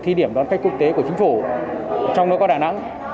thí điểm đón khách quốc tế của chính phủ trong đó có đà nẵng